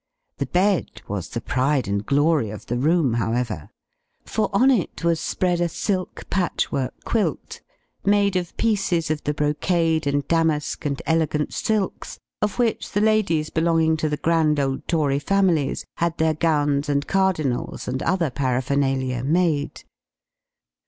The bed was the pride and glory of the room, however; for on it was spread a silk patchwork quilt, made of pieces of the brocade and damask and elegant silks, of which the ladies belonging to the grand old Tory families had their gowns and cardinals, and other paraphernalia, made.